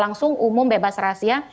langsung umum bebas rahasia